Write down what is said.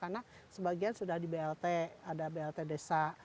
karena sebagian sudah di blt ada blt desa